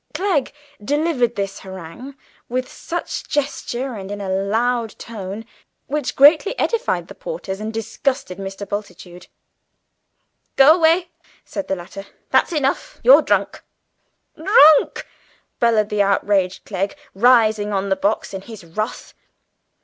Clegg delivered this harangue with much gesture and in a loud tone, which greatly edified the porters and disgusted Mr. Bultitude. "Go away," said the latter, "that's enough. You're drunk!" "Drunk!" bellowed the outraged Clegg, rising on the box in his wrath.